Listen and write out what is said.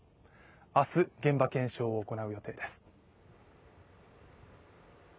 明日、現場検証を行う予定です。